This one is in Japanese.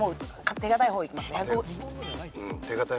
手堅い方いきます？